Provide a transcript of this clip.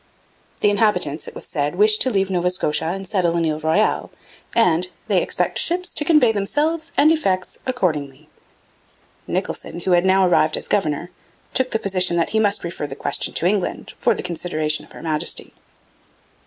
The inhabitants, it was said, wished to leave Nova Scotia and settle in Ile Royale, and 'they expect ships to convey themselves and effects accordingly.' Nicholson, who had now arrived as governor, took the position that he must refer the question to England for the consideration of Her Majesty.